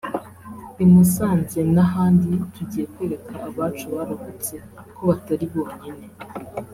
i Musanze n’ahandi tugiye kwereka abacu barokotse ko batari bonyine